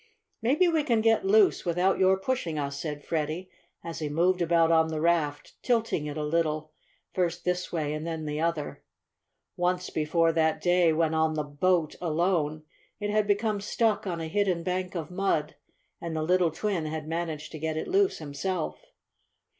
"Maybe we can get loose without your pushing us," said Freddie, as he moved about on the raft, tilting it a little, first this way and then the other. Once before that day, when on the "boat" alone, it had become stuck on a hidden bank of mud, and the little twin had managed to get it loose himself.